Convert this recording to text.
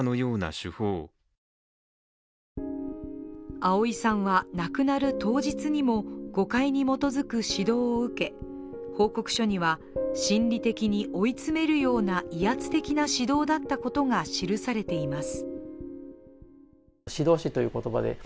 碧さんは亡くなる当日にも誤解に基づく指導を受け、報告書には、心理的に追い詰めるような威圧的な指導だったことが記されています。